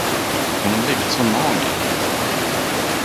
Hon har blivit så mager.